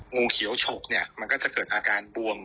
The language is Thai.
งูเขียวฉกเนี่ยมันก็จะเกิดอาการบวม